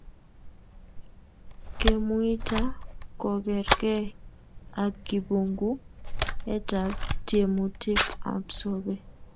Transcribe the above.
kemuita kokerkei ak kipunguetab tiemutik ab sobee